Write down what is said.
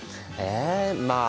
えまあ